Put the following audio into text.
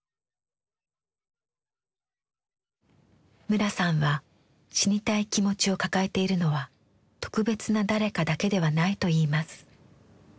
村さんは「死にたい気持ち」を抱えているのは「特別な誰か」だけではないといいます。